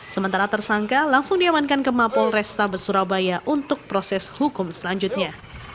sementara tersangka langsung diamankan ke mapol restabes surabaya untuk proses hukum selanjutnya